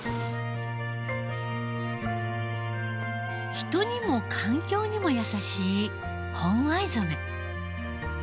人にも環境にも優しい本藍染。